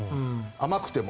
甘くても。